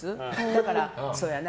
だから、そやな。